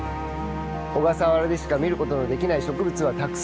小笠原でしか見ることのできない植物はたくさんあります。